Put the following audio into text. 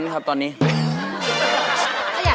ผ่อนได้ไหมคะ